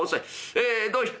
えどうした？」。